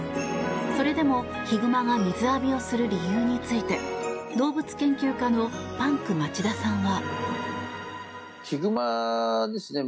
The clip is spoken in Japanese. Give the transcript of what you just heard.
それでもヒグマが水浴びをする理由について動物研究家のパンク町田さんは。